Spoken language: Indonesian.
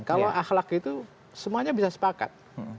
kalau akhlak itu semuanya bisa sepakat